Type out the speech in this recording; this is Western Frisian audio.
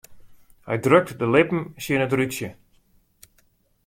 Hy drukt de lippen tsjin it rútsje.